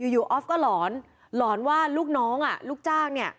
อยู่ออฟก็หลอนหลอนว่าลูกน้องอ่ะลูกจ้างเนี่ย